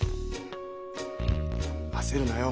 焦るなよ。